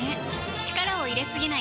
力を入れすぎない